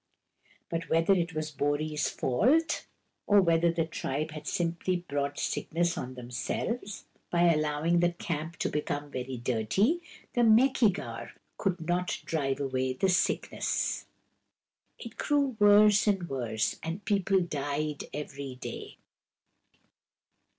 But, whether it was Bori's fault, or whether the tribe had simply brought sickness on themselves 212 KUR BO ROO, THE BEAR by allowing the camp to become very dirty, the Meki gar could not drive away the sickness. It grew worse and worse, and people died every day.